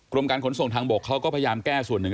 กรมการขนส่งทางบกเขาก็พยายามแก้ส่วนหนึ่ง